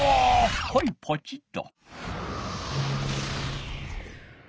はいポチッと。